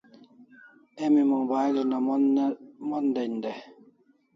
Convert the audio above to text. Emi mobile una Mon den dai